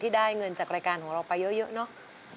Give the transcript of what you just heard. ได้เงินจากรายการของเราไปเยอะเนอะ